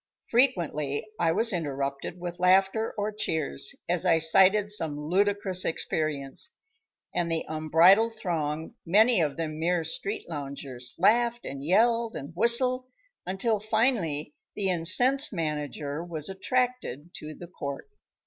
Frequently I was interrupted with laughter or cheers, as I cited some ludicrous experience, and the unbridled throng, many of them mere street loungers, laughed and yelled and whistled until, finally, the incensed manager was attracted to the Court.